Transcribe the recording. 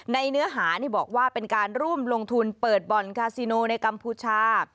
เนื้อหานี่บอกว่าเป็นการร่วมลงทุนเปิดบ่อนคาซิโนในกัมพูชา